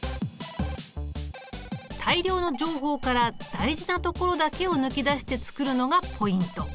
大量の情報から大事なところだけを抜き出して作るのがポイント。